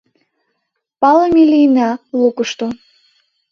«Палыме лийына» лукышто.